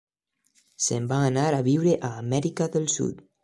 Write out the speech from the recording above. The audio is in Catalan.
Se'n va anar a viure a Amèrica del Sud.